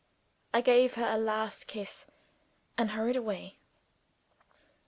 I gave her a last kiss and hurried away.